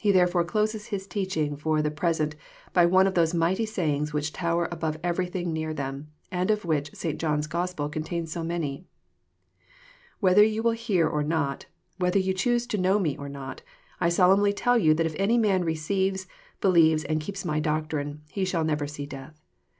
He therefore closes His teaching for the pres ent by one of those mighty sayings which tower above every thing near them, and of which St. John's Gospel contains so many. —Whether you wili hear or not, whether you choose to know Me or not, I solemnly tell you that if any man receives, believes, and keeps My doctrine, he shall never see death.